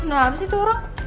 kenapa sih tuh orang